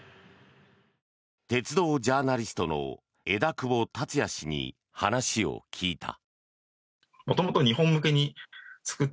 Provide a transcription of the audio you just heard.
鉄道ジャーナリストの枝久保達也氏に話を聞いた。